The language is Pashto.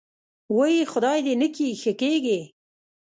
وۍ خدای دې نکي ښه کېږې.